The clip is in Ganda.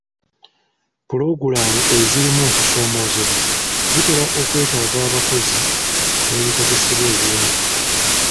Pulogulaamu ezirimu okusoomoozebwa zitera okwetaaga abakozi n'ebikozesebwa ebingi.